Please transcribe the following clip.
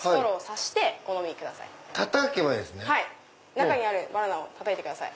中のバナナをたたいてください。